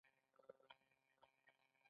دا کتاب مې د زړه په چاود ليکلی دی.